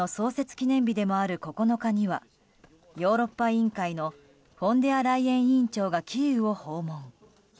記念日でもある９日にはヨーロッパ委員会のフォンデアライエン委員長がキーウを訪問。